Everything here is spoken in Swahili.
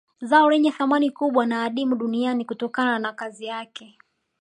Zao lenye thamani kubwa na adimu duniani kutokana na kazi yake